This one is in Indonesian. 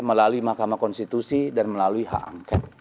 melalui mahkamah konstitusi dan melalui hak angket